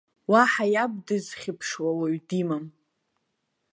Уаҳа иаб дызхьыԥшуа уаҩ димам.